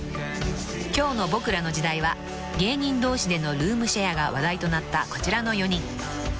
［今日の『ボクらの時代』は芸人同士でのルームシェアが話題となったこちらの４人］